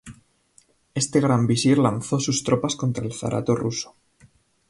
Este Gran Visir lanzó sus tropas contra el zarato ruso.